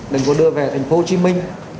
đừng có đưa về thành phố hồ chí minh